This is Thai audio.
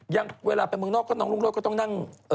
อย่างเวลาไปเมืองนอกก็น้องรุ่งโรธก็ต้องนั่ง